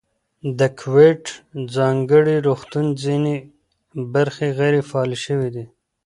د کوویډ ځانګړي روغتون ځینې برخې غیر فعالې شوې دي.